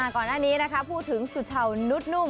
ก่อนหน้านี้พูดถึงสุชาวนุ่ม